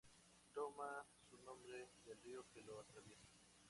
Toma su nombre del río que lo atraviesa.